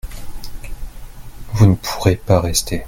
vous ne pourrez pas rester.